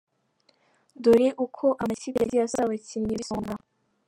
Dore uko amakipe yagiye asaba abakinnyi b’Isonga:.